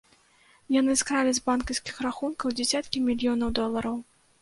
Яны скралі з банкаўскіх рахункаў дзясяткі мільёнаў долараў.